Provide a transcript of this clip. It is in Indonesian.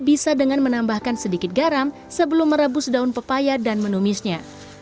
bisa dengan menambahkan sedikit garam sebelum merebus daun pepaya dan menumisnya